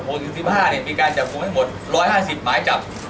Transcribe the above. ห้วงหกสิบห้าเนี้ยมีการจำคุมให้หมดร้อยห้าสิบไม้จับ